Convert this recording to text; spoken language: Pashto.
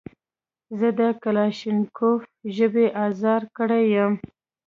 زه د کلاشینکوف ژبې ازار کړی یم.